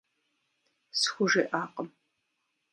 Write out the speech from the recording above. СхужеӀакъым.